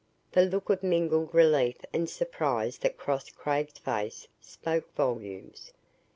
The look of mingled relief and surprise that crossed Craig's face spoke volumes.